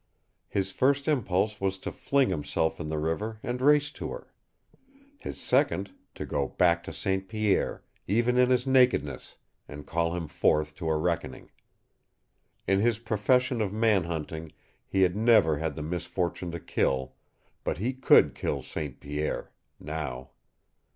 His first impulse was to fling himself in the river and race to her his second, to go back to St. Pierre, even in his nakedness, and call him forth to a reckoning. In his profession of man hunting he had never had the misfortune to kill, but he could kill St. Pierre now.